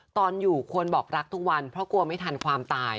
ตอนอยู่ควรบอกรักทุกวันเพราะกลัวไม่ทันความตาย